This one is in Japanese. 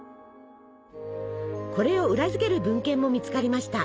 これを裏付ける文献も見つかりました。